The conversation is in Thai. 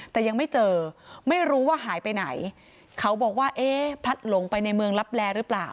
แต่ยังไม่เจอไม่รู้ว่าหายไปไหนเขาบอกว่าเอ๊ะพลัดหลงไปในเมืองลับแลหรือเปล่า